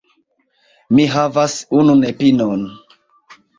Mi havas unu nepinon.